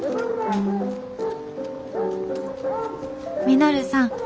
「稔さん。